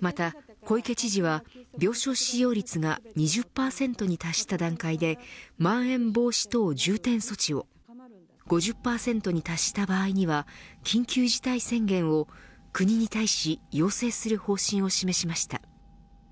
また小池知事は病床使用率が２０％に達した段階でまん延防止等重点措置を５０％に達した場合には緊急事態宣言を国に対し要請する方針を示しました。